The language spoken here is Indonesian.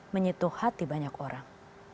menyitu hati banyak orang